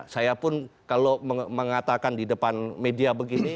saya pun kalau mengatakan di depan media begini